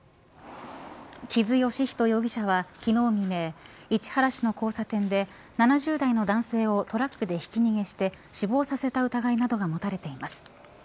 木津吉仁容疑者は昨日未明、市原市の交差点で７０代の男性をトラックでひき逃げして死亡させた疑いなどが持たれています。